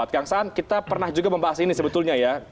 kang saan kita pernah juga membahas ini sebetulnya ya